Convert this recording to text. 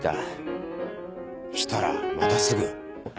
したらまたすぐ。